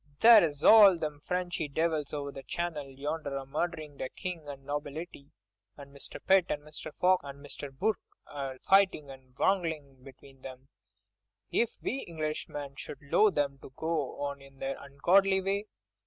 There's all them Frenchy devils over the Channel yonder a murderin' their king and nobility, and Mr. Pitt and Mr. Fox and Mr. Burke a fightin' and a wranglin' between them, if we Englishmen should 'low them to go on in their ungodly way.